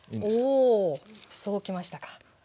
そうきましたか。